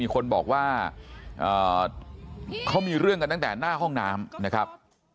ก็มีเรื่องกันตั้งแต่หน้าห้องน้ำนะครับ